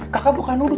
kakak bukan nuduh